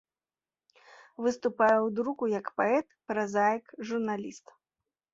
Выступае ў друку як паэт, празаік, журналіст.